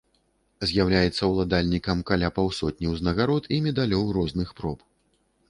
З'яўляецца ўладальнікам каля паўсотні ўзнагарод і медалёў розных проб.